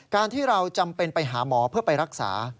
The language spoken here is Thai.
การที่เราจำเป็นไปหาหมอเพื่อไปรักษา